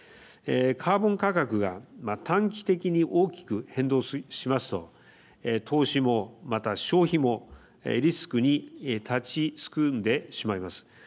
カーボン価格が短期的に大きく変動しますと投資もまた消費もリスクに立ちすくんでしまいます。